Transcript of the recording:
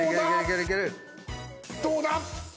どうだ？